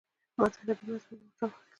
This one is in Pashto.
ما د عربي مضمون نوټ راواخيست.